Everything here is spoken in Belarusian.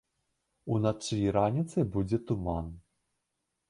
Уначы і раніцай будзе туман.